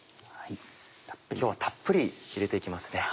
今日はたっぷり入れて行きますね。